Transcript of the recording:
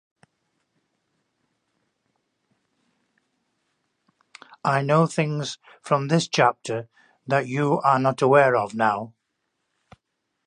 I know things from this chapter that you are not aware of now.